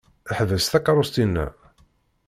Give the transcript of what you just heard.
Ḥbes takeṛṛust-inna.